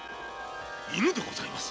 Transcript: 犬でございます。